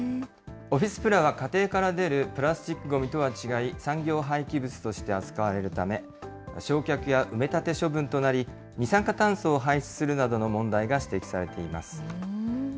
オフィスプラは家庭から出るプラスチックごみとは違い、産業廃棄物として扱われるため、焼却や埋め立て処分となり、二酸化炭素を排出するなどの問題が指摘されています。